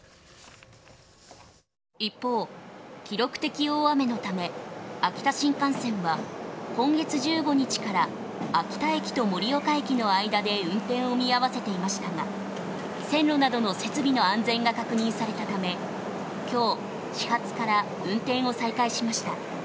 一方、記録的大雨のため秋田新幹線は今月１５日から秋田駅と盛岡駅の間で運転を見合わせていましたが線路などの設備の安全が確認されたため今日始発から運転を再開しました。